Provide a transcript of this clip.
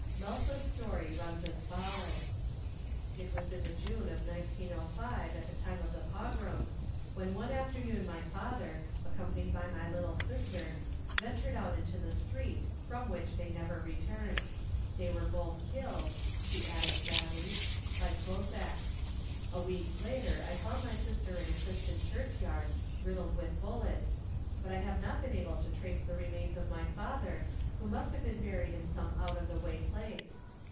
"Melsa's story runs as follows: "'It was in June of 1905, at the time of the pogroms, when one afternoon my father, accompanied by my little sister, ventured out into the street, from which they never returned. They were both killed,' he added sadly, 'by Cossacks. A week later I found my sister in a Christian churchyard riddled with bullets, but I have not been able to trace the remains of my father, who must have been buried in some out of the way place.